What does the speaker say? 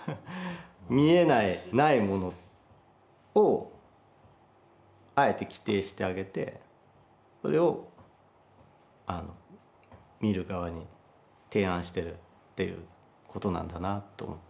見えないないものをあえて規定してあげてそれをあの見る側に提案してるってことなんだなと思ったんですよね。